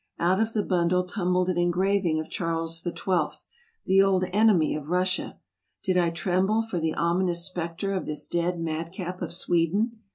Out of the bundle tumbled an engraving of Charles XII., the old enemy of Russia! Did I tremble for the ominous specter of this dead madcap of Sweden